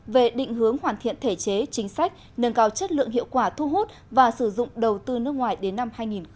về định hướng hoàn thiện thể chế chính sách nâng cao chất lượng hiệu quả thu hút và sử dụng đầu tư nước ngoài đến năm hai nghìn hai mươi